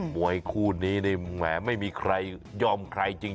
มวยคู่นี้นี่แหมไม่มีใครยอมใครจริง